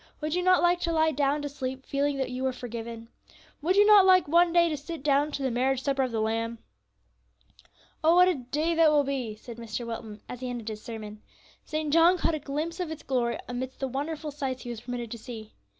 Would you not like to lie down to sleep, feeling that you were forgiven? Would you not like one day to sit down to the marriage supper of the Lamb? "Oh, what a day that will be!" said Mr. Wilton, as he ended his sermon. "St. John caught a glimpse of its glory amidst the wonderful sights he was permitted to see.